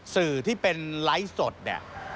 สื่อที่เป็นไลฟ์สดเนี่ย